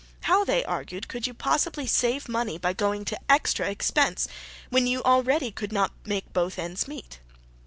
How, they argued, could you possibly save money by going to extra expense when you already could not make both ends meet?